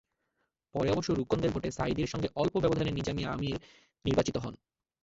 পরে অবশ্য রুকনদের ভোটে সাঈদীর সঙ্গে অল্প ব্যবধানে নিজামী আমির নির্বাচিত হন।